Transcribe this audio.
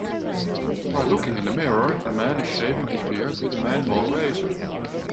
While looking in the mirror, a man is shaving his beard with a manual razor.